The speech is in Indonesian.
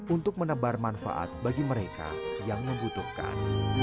untuk menebar manfaat bagi mereka yang membutuhkan